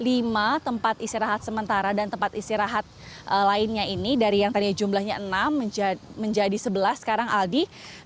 lima tempat istirahat sementara dan tempat istirahat lainnya ini dari yang tadi jumlahnya enam menjadi sebelas sekarang aldi